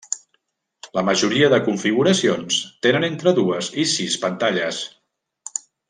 La majoria de configuracions tenen entre dues i sis pantalles.